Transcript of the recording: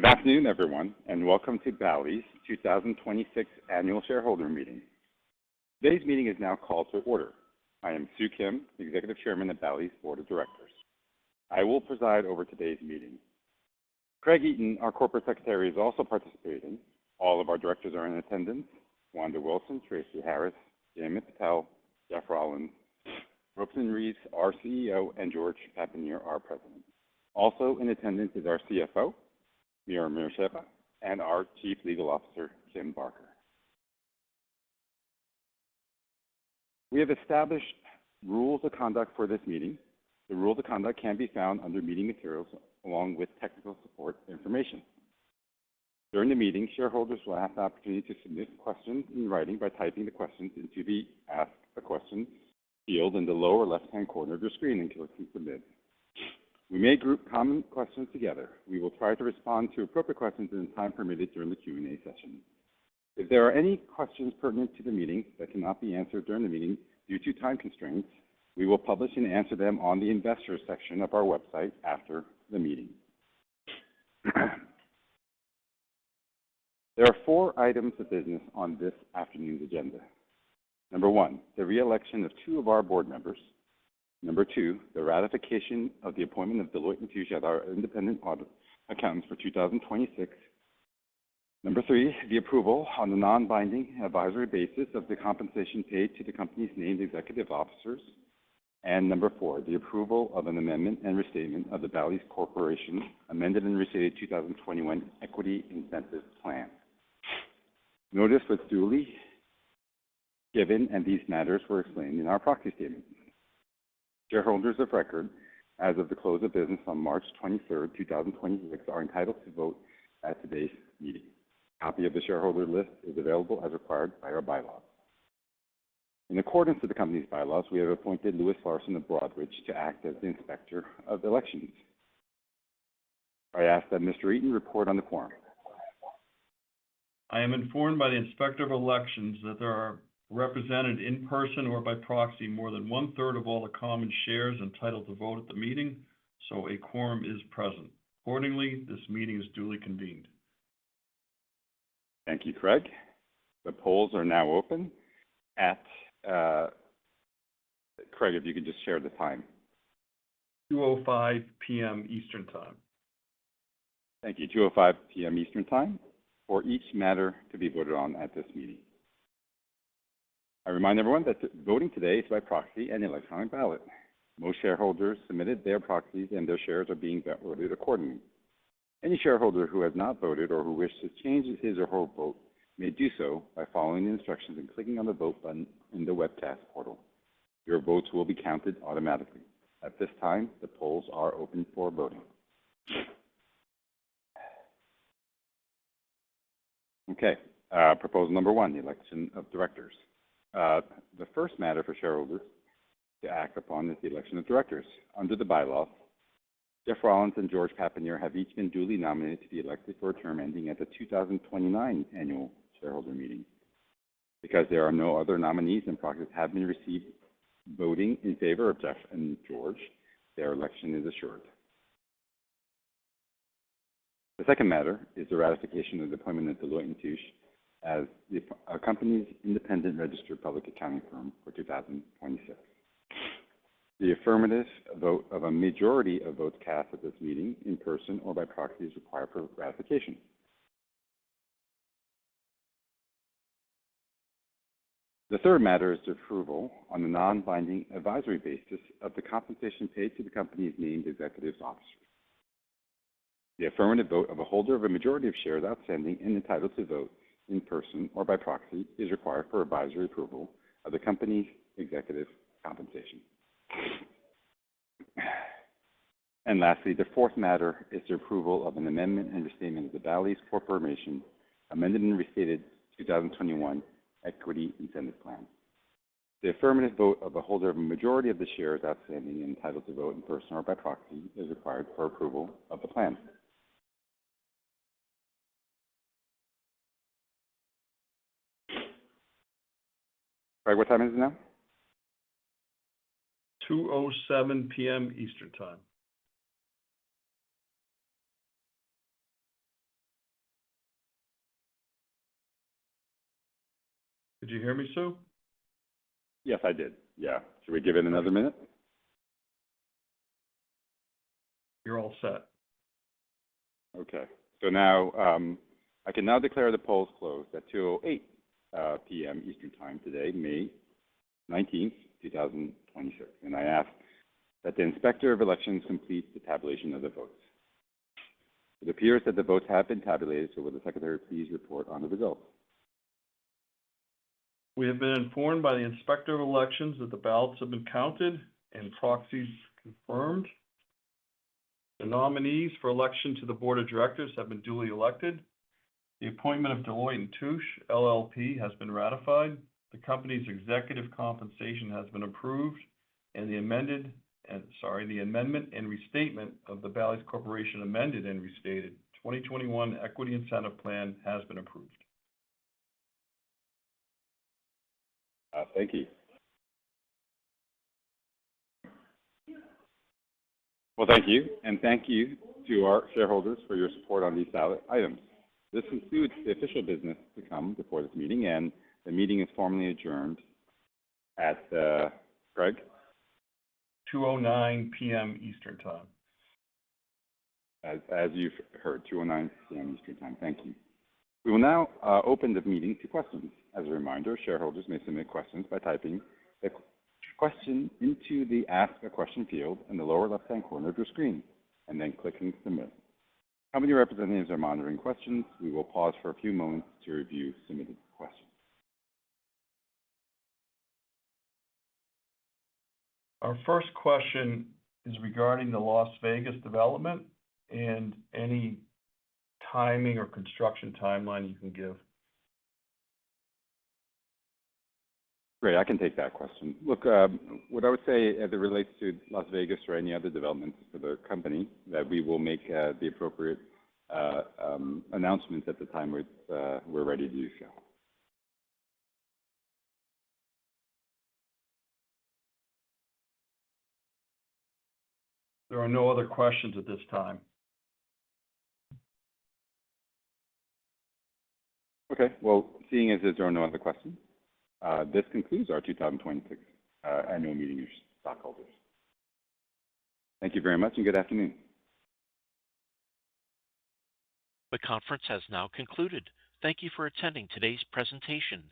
Good afternoon, everyone, and welcome to Bally's 2026 Annual Meeting of Shareholders. Today's meeting is now called to order. I am Soohyung Kim, the Executive Chairman of Bally's Board of Directors. I will preside over today's meeting. Craig Eaton, our Corporate Secretary, is also participating. All of our directors are in attendance. Wanda Wilson, Tracy Harris, Jaymin Patel, Jeff Rollins, Robeson Reeves, our CEO, and George Papanier, our President. Also in attendance is our CFO, Mira Mircheva, and our Chief Legal Officer, Kim Barker. We have established rules of conduct for this meeting. The rules of conduct can be found under Meeting Materials, along with technical support information. During the meeting, shareholders will have the opportunity to submit questions in writing by typing the questions into the Ask a Question field in the lower left-hand corner of your screen and clicking Submit. We may group common questions together. We will try to respond to appropriate questions in the time permitted during the Q&A session. If there are any questions pertinent to the meeting that cannot be answered during the meeting due to time constraints, we will publish and answer them on the Investors section of our website after the meeting. There are four items of business on this afternoon's agenda. Number one, the re-election of two of our board members. Number two, the ratification of the appointment of Deloitte & Touche as our independent audit accountants for 2026. Number three, the approval on the non-binding advisory basis of the compensation paid to the company's named executive officers. Number four, the approval of an amendment and restatement of the Bally's Corporation Amended and Restated 2021 Equity Incentive Plan. Notice was duly given, and these matters were explained in our proxy statement. Shareholders of record as of the close of business on March 23rd, 2026, are entitled to vote at today's meeting. A copy of the shareholder list is available as required by our bylaws. In accordance with the company's bylaws, we have appointed Louis Larsen of Broadridge to act as the Inspector of Elections. I ask that Mr. Eaton report on the quorum. I am informed by the Inspector of Elections that there are represented in person or by proxy more than 1/3 of all the common shares entitled to vote at the meeting, so a quorum is present. Accordingly, this meeting is duly convened. Thank you, Craig. The polls are now open. Craig, if you could just share the time. 2:05 P.M. Eastern Time. Thank you. 2:05 P.M. Eastern Time for each matter to be voted on at this meeting. I remind everyone that voting today is by proxy and electronic ballot. Most shareholders submitted their proxies, and their shares are being voted accordingly. Any shareholder who has not voted or who wishes to change his or her vote may do so by following the instructions and clicking on the Vote button in the Webcast Portal. Your votes will be counted automatically. At this time, the polls are open for voting. Okay, proposal number one, the election of directors. The first matter for shareholders to act upon is the election of directors. Under the bylaws, Jeff Rollins and George Papanier have each been duly nominated to be elected for a term ending at the 2029 Annual Meeting of Shareholders. Because there are no other nominees and proxies have been received voting in favor of Jeff and George, their election is assured. The second matter is the ratification of the appointment of Deloitte & Touche as the company's independent registered public accounting firm for 2026. The affirmative vote of a majority of votes cast at this meeting in person or by proxy is required for ratification. The third matter is the approval on the non-binding advisory basis of the compensation paid to the company's named executives officers. The affirmative vote of a holder of a majority of shares outstanding and entitled to vote in person or by proxy is required for advisory approval of the company's executive compensation. Lastly, the fourth matter is the approval of an amendment and restatement of the Bally's Corporation Amended and Restated 2021 Equity Incentive Plan. The affirmative vote of the holder of a majority of the shares outstanding and entitled to vote in person or by proxy is required for approval of the plan. Craig, what time is it now? 2:07 P.M. Eastern Time. Did you hear me, Soo? Yes, I did. Yeah. Should we give it another minute? You're all set. Okay. Now, I can now declare the polls closed at 2:08 P.M. Eastern Time today, May 19th, 2023, and I ask that the Inspector of Elections complete the tabulation of the votes. It appears that the votes have been tabulated. Will the Secretary please report on the results. We have been informed by the Inspector of Elections that the ballots have been counted and proxies confirmed. The nominees for election to the Board of Directors have been duly elected. The appointment of Deloitte & Touche LLP has been ratified. The company's executive compensation has been approved. The amendment and restatement of the Bally's Corporation Amended and Restated 2021 Equity Incentive Plan has been approved. Thank you. Well, thank you, and thank you to our shareholders for your support on these ballot items. This concludes the official business to come before this meeting, and the meeting is formally adjourned at, Craig? 2:09 P.M. Eastern Time. As you've heard, 2:09 P.M. Eastern Time. Thank you. We will now open the meeting to questions. As a reminder, shareholders may submit questions by typing the question into the Ask a Question field in the lower left-hand corner of your screen and then clicking Submit. Company representatives are monitoring questions. We will pause for a few moments to review submitted questions. Our first question is regarding the Las Vegas development and any timing or construction timeline you can give. Great, I can take that question. Look, what I would say as it relates to Las Vegas or any other developments for the company, that we will make the appropriate announcements at the time we're ready to do so. There are no other questions at this time. Okay. Well, seeing as there are no other questions, this concludes our 2026 Annual Meeting of Shareholders. Thank you very much and good afternoon. The conference has now concluded. Thank you for attending today's presentation.